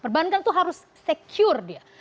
perbankan itu harus secure dia